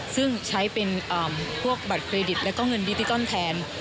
ซึ่งใช้เป็นพวกบัตรเครดิตแล้วก็เงินดิจิทัลแทน